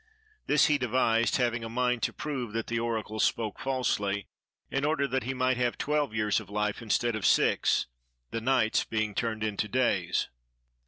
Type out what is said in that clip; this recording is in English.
This he devised (having a mind to prove that the Oracle spoke falsely) in order that he might have twelve years of life instead of six, the nights being turned into days.